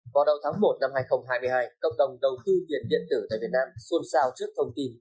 vào đầu tháng một năm hai nghìn hai mươi hai cộng đồng đầu tư tiền điện tử tại việt nam xôn xao trước thông tin